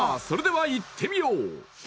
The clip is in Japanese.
それではいってみよう！